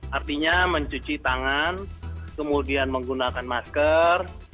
artinya mencuci tangan kemudian menggunakan masker